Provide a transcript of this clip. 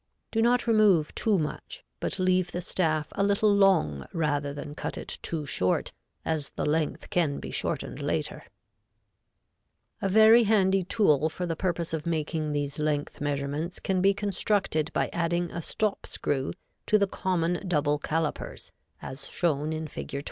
Do not remove too much, but leave the staff a little long rather than cut it too short, as the length can be shortened later. [Illustration: Fig. 20.] [Illustration: Fig. 21.] A very handy tool for the purpose of making these length measurements can be constructed by adding a stop screw to the common double calipers as shown in Fig.